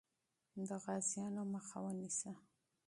د غازیانو مخه ونیسه.